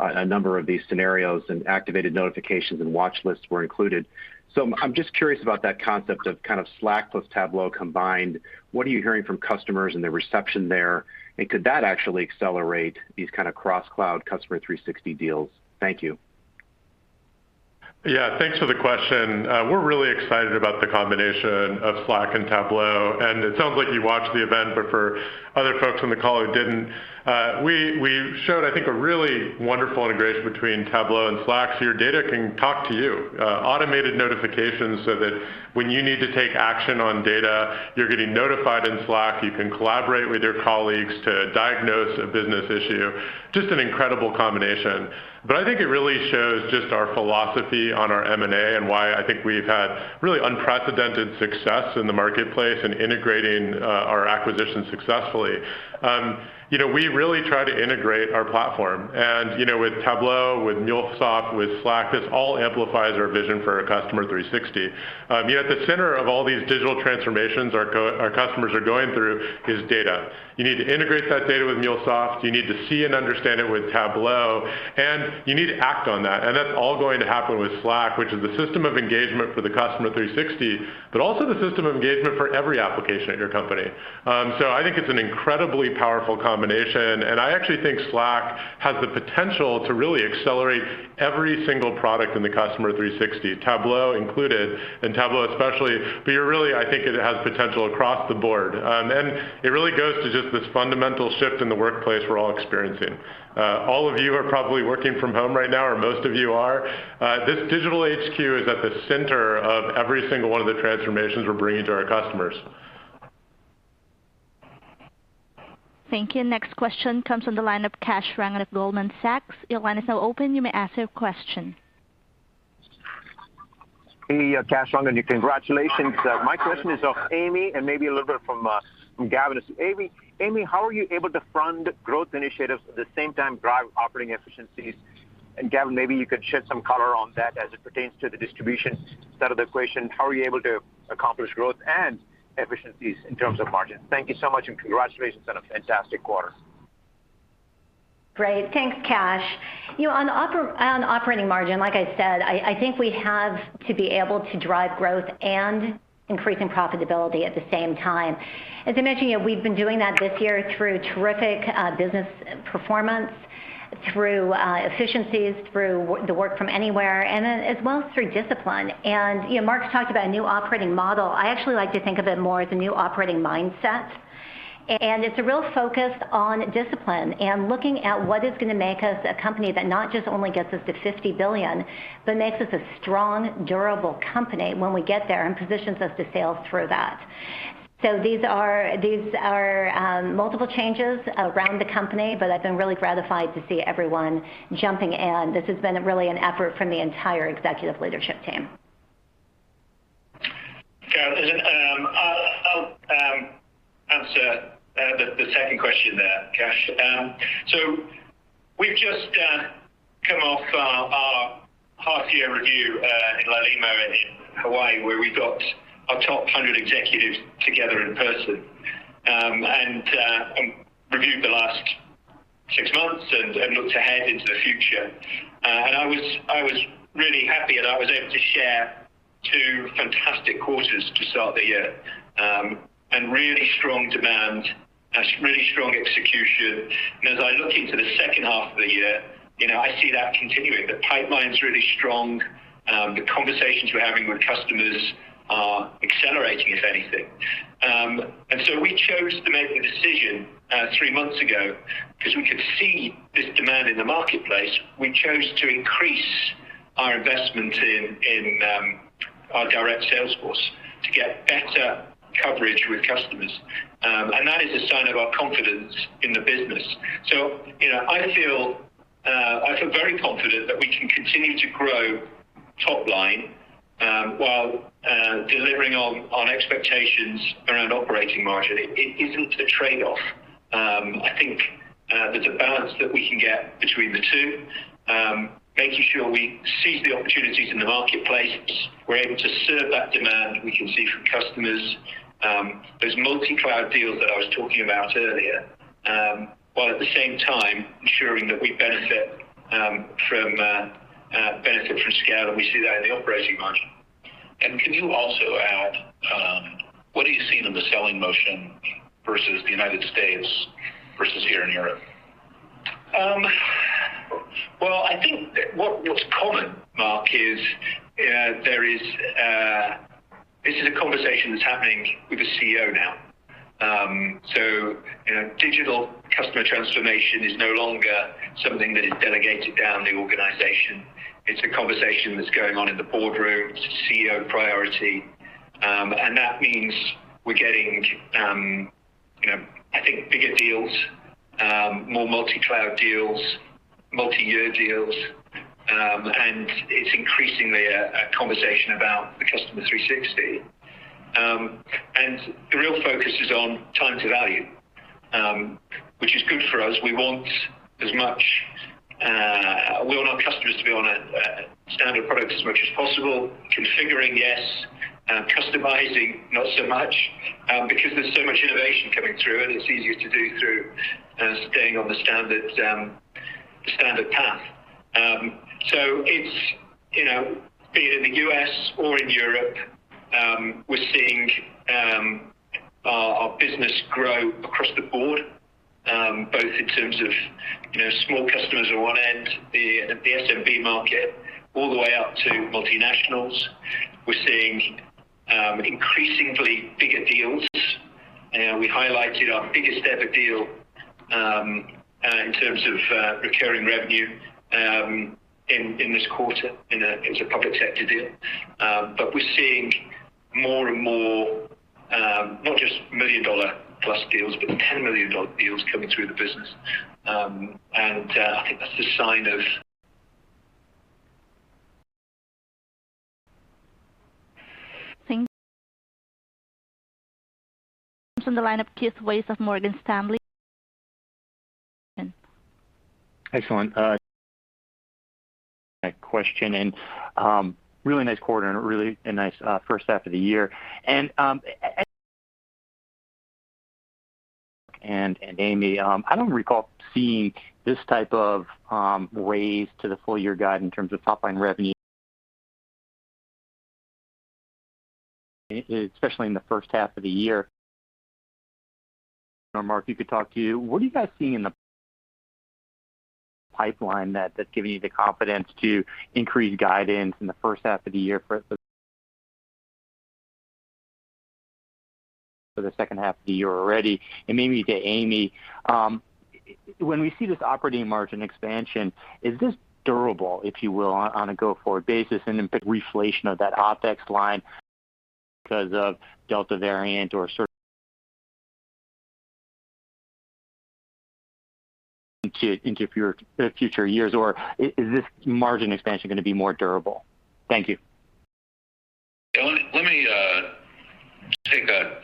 a number of these scenarios, and activated notifications and watch lists were included. I'm just curious about that concept of Slack plus Tableau combined. What are you hearing from customers and the reception there, and could that actually accelerate these kind of cross-cloud Customer 360 deals? Thank you. Yeah, thanks for the question. We're really excited about the combination of Slack and Tableau, and it sounds like you watched the event, but for other folks on the call who didn't, we showed, I think, a really wonderful integration between Tableau and Slack. Your data can talk to you. Automated notifications so that when you need to take action on data, you're getting notified in Slack. You can collaborate with your colleagues to diagnose a business issue. Just an incredible combination. I think it really shows just our philosophy on our M&A and why I think we've had really unprecedented success in the marketplace in integrating our acquisitions successfully. We really try to integrate our platform. With Tableau, with MuleSoft, with Slack, this all amplifies our vision for our Customer 360. At the center of all these digital transformations our customers are going through is data. You need to integrate that data with MuleSoft. You need to see and understand it with Tableau, and you need to act on that. That's all going to happen with Slack, which is the system of engagement for the Customer 360, but also the system of engagement for every application at your company. I think it's an incredibly powerful combination, and I actually think Slack has the potential to really accelerate every single product in the Customer 360, Tableau included, and Tableau especially. Really, I think it has potential across the board. It really goes to just this fundamental shift in the workplace we're all experiencing. All of you are probably working from home right now, or most of you are. This digital HQ is at the center of every single one of the transformations we're bringing to our customers. Thank you. Next question comes from the line of Kash Rangan of Goldman Sachs. Hey, Kash Rangan. Congratulations. My question is of Amy, and maybe a little bit from Gavin. Amy, how are you able to fund growth initiatives, at the same time drive operating efficiencies? Gavin, maybe you could shed some color on that as it pertains to the distribution side of the equation. How are you able to accomplish growth and efficiencies in terms of margin? Thank you so much, and congratulations on a fantastic quarter. Great. Thanks, Kash. On operating margin, like I said, I think we have to be able to drive growth and increasing profitability at the same time. As I mentioned, we've been doing that this year through terrific business performance, through efficiencies, through the work from anywhere, and then as well as through discipline. Marc's talked about a new operating model. I actually like to think of it more as a new operating mindset. It's a real focus on discipline and looking at what is going to make us a company that not just only gets us to 50 billion, but makes us a strong, durable company when we get there and positions us to sail through that. These are multiple changes around the company, but I've been really gratified to see everyone jumping in. This has been really an effort from the entire executive leadership team. Gavin, I'll answer the second question there, Kash. We've just come off our half-year review in Lanai in Hawaii, where we got our top 100 executives together in person, and reviewed the last six months and looked ahead into the future. I was really happy that I was able to share two fantastic quarters to start the year, and really strong demand, really strong execution. As I look into the second half of the year, I see that continuing. The pipeline's really strong. The conversations we're having with customers are accelerating, if anything. We chose to make the decision three months ago, because we could see this demand in the marketplace. We chose to increase our investment in- Our direct sales force to get better coverage with customers. That is a sign of our confidence in the business. I feel very confident that we can continue to grow top line, while delivering on expectations around operating margin. It isn't a trade-off. I think there's a balance that we can get between the two, making sure we seize the opportunities in the marketplace. We're able to serve that demand we can see from customers, those multi-cloud deals that I was talking about earlier, while at the same time ensuring that we benefit from scale, and we see that in the operating margin. Can you also add, what are you seeing in the selling motion versus the United States versus here in Europe? Well, I think what's common, Marc, is this is a conversation that's happening with the CEO now. Digital customer transformation is no longer something that is delegated down the organization. It's a conversation that's going on in the boardroom. It's a CEO priority. That means we're getting, I think, bigger deals, more multi-cloud deals, multi-year deals, and it's increasingly a conversation about the Customer 360. The real focus is on time to value, which is good for us. We want our customers to be on standard products as much as possible. Configuring, yes. Customizing, not so much, because there's so much innovation coming through, and it's easier to do through staying on the standard path. It's, be it in the U.S. or in Europe, we're seeing our business grow across the board, both in terms of small customers on one end, the SMB market, all the way up to multinationals. We're seeing increasingly bigger deals. We highlighted our biggest-ever deal, in terms of recurring revenue, in this quarter. It was a public sector deal. We're seeing more and more, not just million-dollar plus deals, but $10 million deals coming through the business. I think that's the sign of. From the line of Keith Weiss of Morgan Stanley. Excellent question and really nice quarter and really a nice first half of the year. Amy, I don't recall seeing this type of raise to the full-year guide in terms of top-line revenue, especially in the first half of the year. Marc, if I could talk to you, what are you guys seeing in the pipeline that's giving you the confidence to increase guidance in the first half of the year for the second half of the year already? Maybe to Amy, when we see this operating margin expansion, is this durable, if you will, on a go-forward basis, and then reflation of that OpEx line because of Delta variant or into future years, or is this margin expansion going to be more durable? Thank you. Let me take a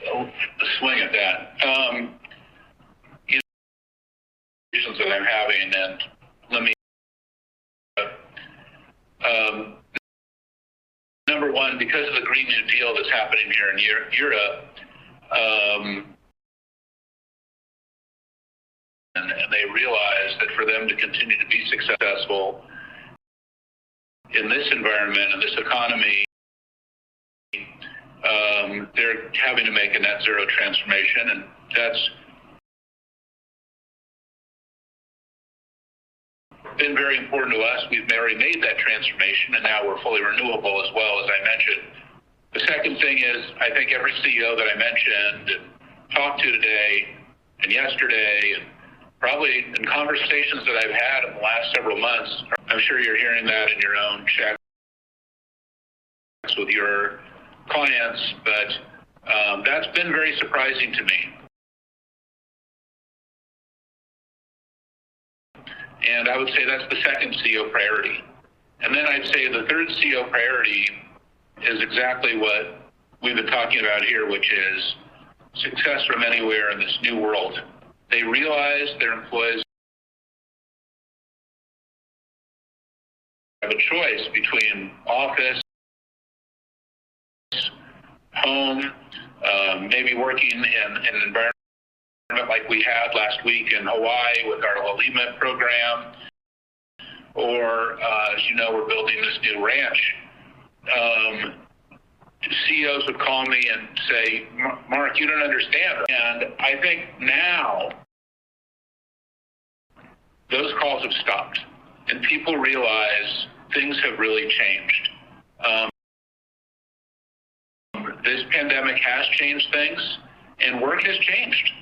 swing at that. Issues that I'm having, and let me Number one, because of the European Green Deal that's happening here in Europe, and they realize that for them to continue to be successful in this environment and this economy, they're having to make a net zero transformation, and that's been very important to us. We've already made that transformation, and now we're fully renewable as well, as I mentioned. The second thing is, I think every CEO that I mentioned and talked to today and yesterday, and probably in conversations that I've had in the last several months, I'm sure you're hearing that in your own chats with your clients, but that's been very surprising to me. I would say that's the second CEO priority. I'd say the third CEO priority is exactly what we've been talking about here, which is success from anywhere in this new world. They realize their employees have a choice between office, home, maybe working in an environment like we had last week in Hawaii with our Haleiwa program, or as you know, we're building this new ranch. CEOs would call me and say, "Marc, you don't understand." I think now those calls have stopped, and people realize things have really changed. This pandemic has changed things, and work has changed.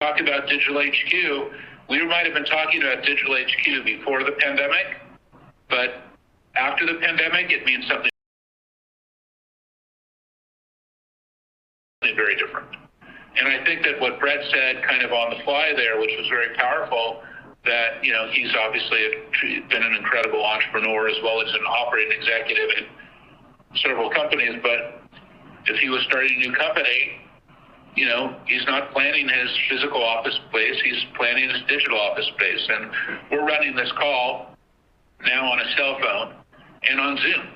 Talk about digital HQ, we might have been talking about digital HQ before the pandemic, but after the pandemic, it means something very different. I think that what Bret said kind of on the fly there, which was very powerful, that he's obviously been an incredible entrepreneur as well as an operating executive in several companies, but if he was starting a new company, he's not planning his physical office space, he's planning his digital office space. We're running this call now on a cell phone and on Zoom.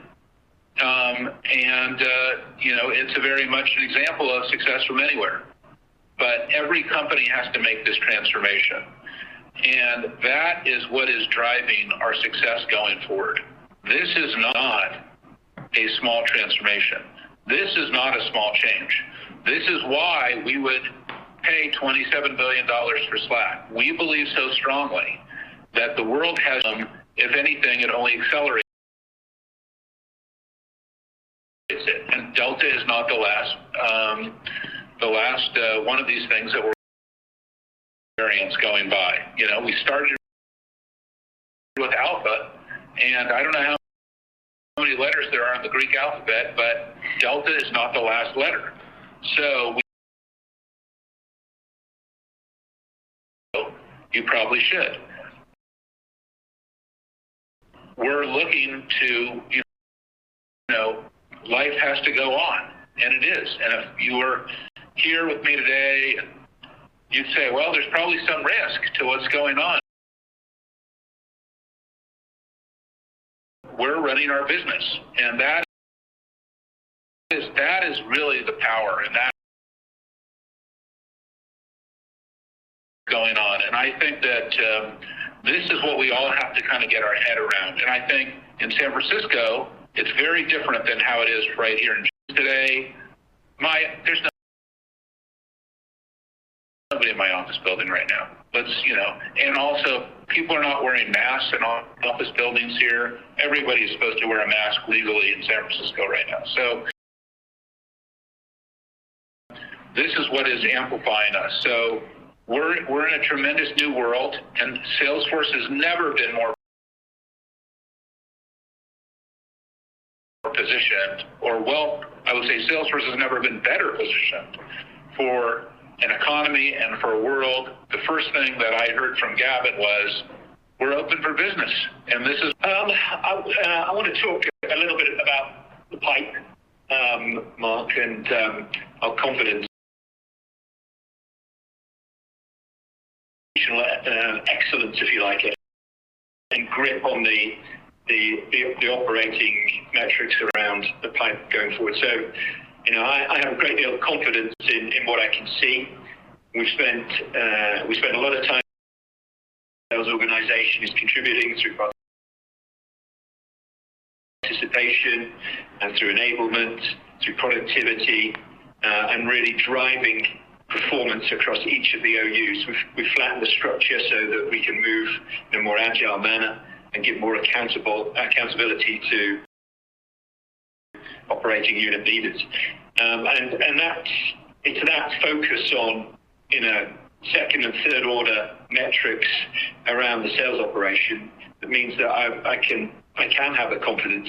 It's very much an example of success from anywhere. Every company has to make this transformation, and that is what is driving our success going forward. This is not a small transformation. This is not a small change. This is why we would pay $27 billion for Slack. We believe so strongly that the world has, if anything, it only accelerates it. Delta is not the last one of these things that we're variants going by. We started with Alpha. I don't know how many letters there are in the Greek alphabet. Delta is not the last letter. You probably should. Life has to go on, it is. If you were here with me today, you'd say, "Well, there's probably some risk to what's going on." We're running our business. That is really the power. I think that this is what we all have to kind of get our head around. I think in San Francisco, it's very different than how it is right here today. There's nobody in my office building right now. Also, people are not wearing masks in office buildings here. Everybody's supposed to wear a mask legally in San Francisco right now. This is what is amplifying us. We're in a tremendous new world, and Salesforce has never been more positioned or, well, I would say Salesforce has never been better positioned for an economy and for a world. The first thing that I heard from Gavin was, "We're open for business," and this is. I want to talk a little bit about the pipe, Marc, and our confidence. Excellence, if you like it, grip on the operating metrics around the pipe going forward. I have a great deal of confidence in what I can see. We've spent a lot of time. The sales organization is contributing through participation and through enablement, through productivity, and really driving performance across each of the Operating Units. We flatten the structure so that we can move in a more agile manner and give more accountability to operating unit leaders. It's that focus on second and third-order metrics around the sales operation that means that I can have the confidence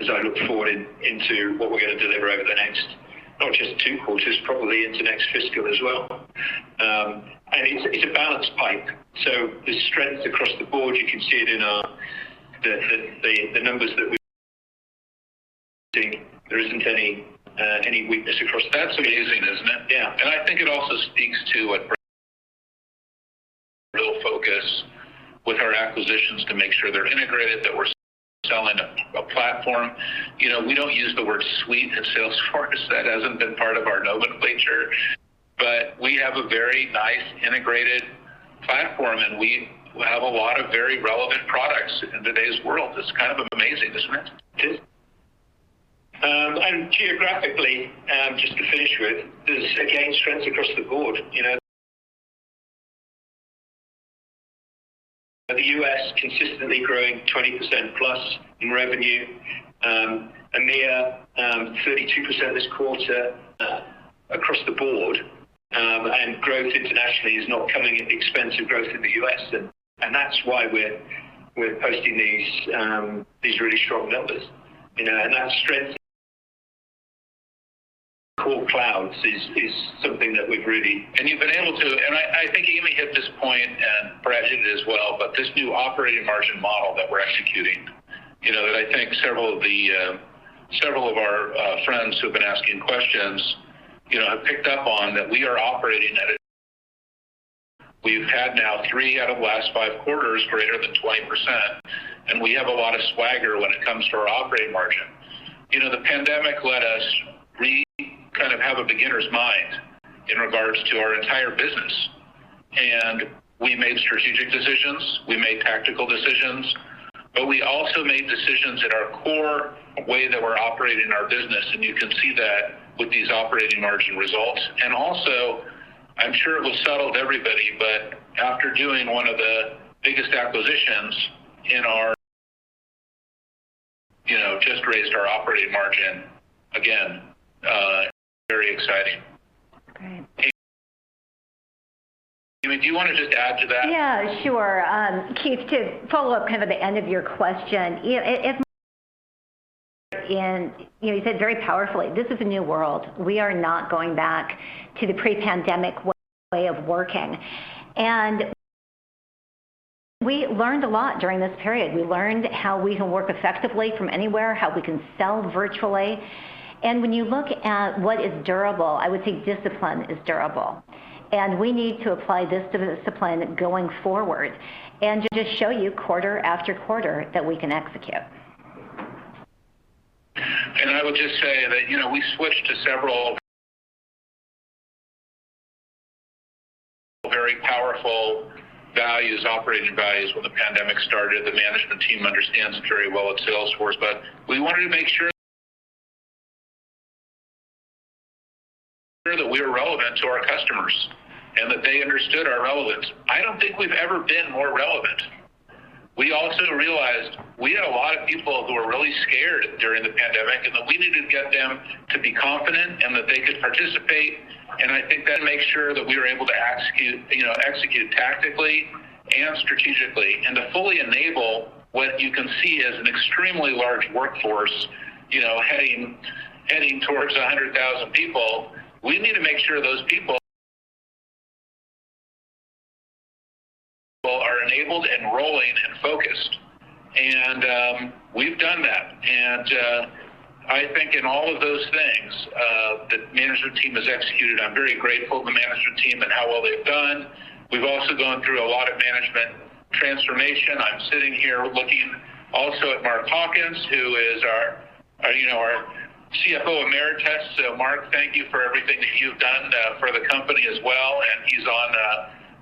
as I look forward into what we're going to deliver over the next not just two quarters, probably into next fiscal as well. It's a balanced pipe, there's strength across the board. You can see it in the numbers. There isn't any weakness. That's amazing, isn't it? Yeah. I think it also speaks to what real focus with our acquisitions to make sure they're integrated, that we're selling a platform. We don't use the word suite at Salesforce. That hasn't been part of our nomenclature. We have a very nice integrated platform, and we have a lot of very relevant products in today's world. It's kind of amazing, isn't it? It is. Geographically, just to finish with, there's again strengths across the board. The U.S. consistently growing 20%+ in revenue, EMEA 32% this quarter across the board, and growth internationally is not coming at the expense of growth in the U.S. That's why we're posting these really strong numbers. That strength Core Clouds is something that we've really. You've been able to, I think Amy hit this point and Brad hit it as well, this new operating margin model that we're executing. That I think several of our friends who've been asking questions have picked up on. We've had now three out of the last five quarters greater than 20%, and we have a lot of swagger when it comes to our operating margin. The pandemic let us kind of have a beginner's mind in regards to our entire business, and we made strategic decisions, we made tactical decisions, but we also made decisions at our core way that we're operating our business, and you can see that with these operating margin results. Also, I'm sure it was subtle to everybody, but after doing one of the biggest acquisitions. Very exciting. Great. Amy, do you want to just add to that? Yeah, sure. Keith, to follow up the end of your question. You said very powerfully, this is a new world. We are not going back to the pre-pandemic way of working. We learned a lot during this period. We learned how we can work effectively from anywhere, how we can sell virtually. When you look at what is durable, I would say discipline is durable. We need to apply discipline going forward, and to show you quarter after quarter that we can execute. I would just say that we switched to several very powerful operating values when the pandemic started. The management team understands very well at Salesforce, but we wanted to make sure that we were relevant to our customers and that they understood our relevance. I don't think we've ever been more relevant. We also realized we had a lot of people who were really scared during the pandemic, and that we needed to get them to be confident and that they could participate. I think that makes sure that we were able to execute tactically and strategically. To fully enable what you can see as an extremely large workforce heading towards 100,000 people, we need to make sure those people are enabled and rolling and focused. We've done that. I think in all of those things, the management team has executed. I'm very grateful to the management team and how well they've done. We've also gone through a lot of management transformation. I'm sitting here looking also at Mark Hawkins, who is our CFO Emeritus. Mark, thank you for everything that you've done for the company as well. He's on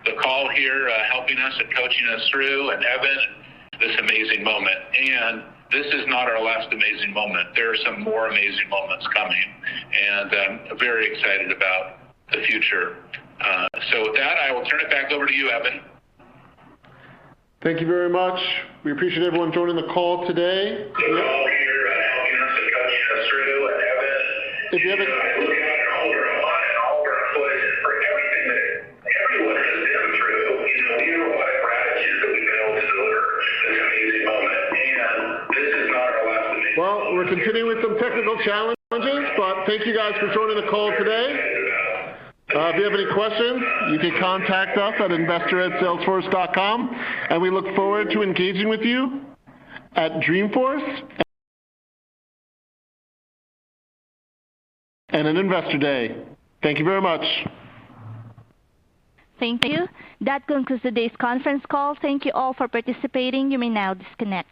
the call here, helping us and coaching us through, Evan, this amazing moment. This is not our last amazing moment. There are some more amazing moments coming, and I'm very excited about the future. With that, I will turn it back over to you, Evan. Thank you very much. We appreciate everyone joining the call today.--- Well, we're continuing with some technical challenges. Thank you guys for joining the call today. If you have any questions, you can contact us at investor@salesforce.com. We look forward to engaging with you at Dreamforce and at Investor Day. Thank you very much. Thank you. That concludes today's conference call. Thank you all for participating. You may now disconnect.